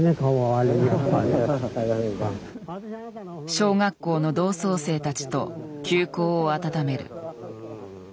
小学校の同窓生たちと旧交を温める。